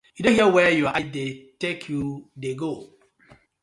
Yu don hear where yur eye dey tak you dey go.